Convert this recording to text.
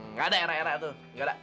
nggak ada era era tuh nggak ada